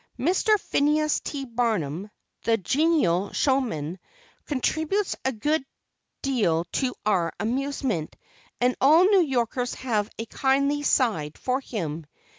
Mr. Phineas T. Barnum, the genial showman, contributes a good deal to our amusement, and all New Yorkers have a kindly side for him.